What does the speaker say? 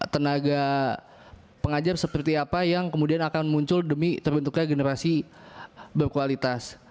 tenaga pengajar seperti apa yang kemudian akan muncul demi terbentuknya generasi berkualitas